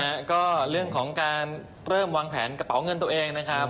แล้วก็เรื่องของการเริ่มวางแผนกระเป๋าเงินตัวเองนะครับ